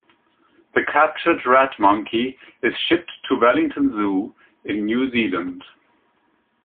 The captured Rat-Monkey is shipped to Wellington Zoo in New Zealand.